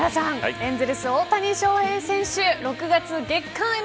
エンゼルス大谷翔平選手